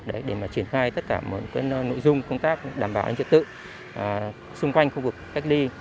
để triển khai tất cả nội dung công tác đảm bảo an ninh trật tự xung quanh khu vực cách ly